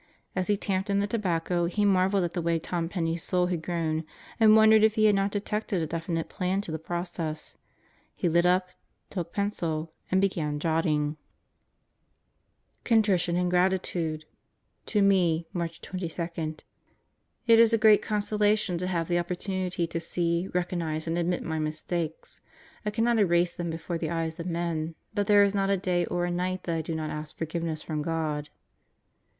As he tamped in the tobacco he marveled at the way Tom Penney's soul had grown and wondered if he had not detected a definite plan to the process. He lit up, took pencil and began jotting: 58 God Goes to Murderers Row CONTRITION AND GRATITUDE To me, Mar. 22: It is a great consolation to have the oppor tunity to see, recognize, and admit my mistakes. I cannot erase them before the eyes of men, but there is not a day or a night that I do not ask forgiveness from God.